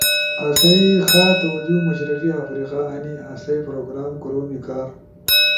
آسئی خاص توجہ مشرقی افریقہ ہنی، آسئی پروگرام کورومی کار